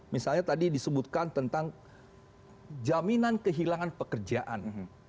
misalnya tadi disebutkan tentang jaminan kehilangan pekerjaan